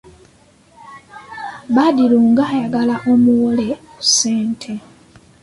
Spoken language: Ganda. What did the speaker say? Badru ng'ayagala amuwole ku ssente..